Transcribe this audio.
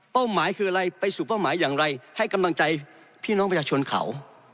หมายคืออะไรไปสู่เป้าหมายอย่างไรให้กำลังใจพี่น้องประชาชนเขา